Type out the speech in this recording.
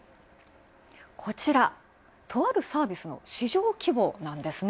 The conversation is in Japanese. こちら、とあるサービスの市場規模なんですね。